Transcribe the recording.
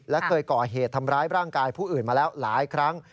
และเคยก่อเหตุทำร้ายร่างกายผู้อื่นมาแล้วหลายครั้ง